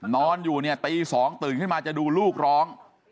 นอนอยู่เนี่ยตี๒ตื่นขึ้นมาจะดูลูกร้อง